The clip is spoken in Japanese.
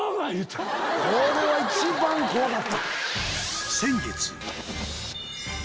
これは一番怖かった。